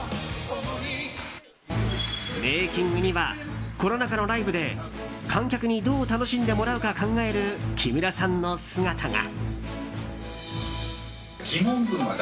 メイキングにはコロナ禍のライブで観客にどう楽しんでもらうか考える木村さんの姿が。